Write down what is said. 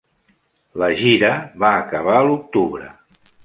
La gira va acabar a l'octubre.